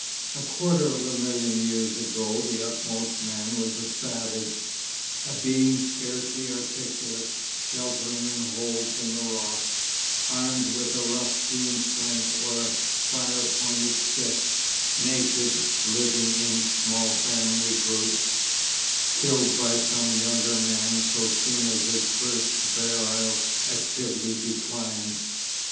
A quarter of a million years ago the utmost man was a savage, a being scarcely articulate, sheltering in holes in the rocks, armed with a rough hewn flint or a fire pointed stick, naked, living in small family groups, killed by some younger man so soon as his first virile activity declined.